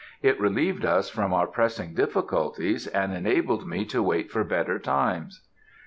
It relieved us from our pressing difficulties, and enabled me to wait for better times.